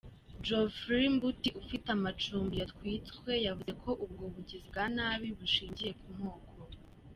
Goffrey Mbuthi ufite amacumbi yatwitswe yavuze ko ubwo bugizi bwa nabi bushingiye ku moko.